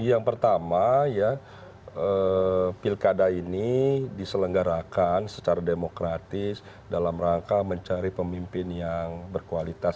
yang pertama ya pilkada ini diselenggarakan secara demokratis dalam rangka mencari pemimpin yang berkualitas